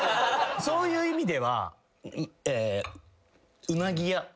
そういう意味では。